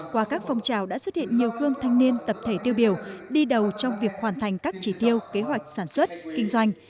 qua các phong trào đã xuất hiện nhiều gương thanh niên tập thể tiêu biểu đi đầu trong việc hoàn thành các chỉ tiêu kế hoạch sản xuất kinh doanh